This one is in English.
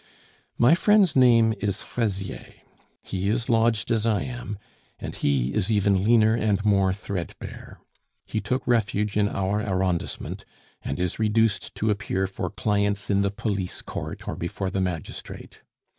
My friend's name is Fraisier. He is lodged as I am, and he is even leaner and more threadbare. He took refuge in our arrondissement, and is reduced to appear for clients in the police court or before the magistrate.